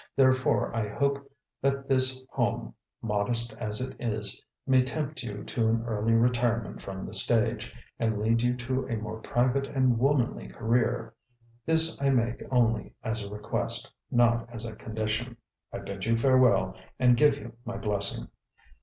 Therefore I hope that this home, modest as it is, may tempt you to an early retirement from the stage, and lead you to a more private and womanly career. This I make only as a request, not as a condition. I bid you farewell, and give you my blessing.